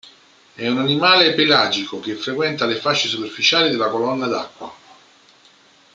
È un animale pelagico che frequenta le fasce superficiali della colonna d'acqua.